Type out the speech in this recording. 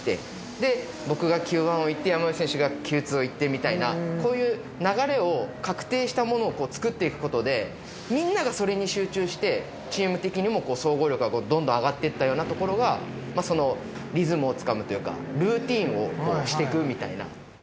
で僕がＱ１いって山内選手がＱ２いってみたいなこういう流れを確定したものを作っていくことでみんながそれに集中してチーム的にも総合力がどんどん上がっていったようなところがリズムをつかむというかルーティンをしていくみたいな。